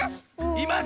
います？